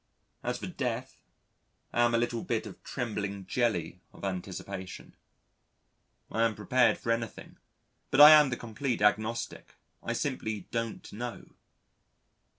As for death, I am a little bit of trembling jelly of anticipation. I am prepared for anything, but I am the complete agnostic; I simply don't know.